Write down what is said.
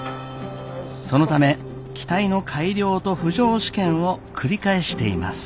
そのため機体の改良と浮上試験を繰り返しています。